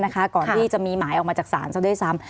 ก่อนที่จะมีหมายออกมาจากศาลซะด้วยซ้ำ